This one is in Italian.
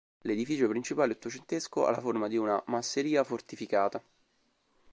L'edificio principale ottocentesco ha la forma di una "masseria fortificata".